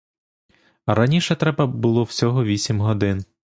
А раніше треба було всього вісім годин.